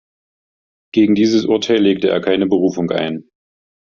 Gegen dieses Urteil legte er keine Berufung ein.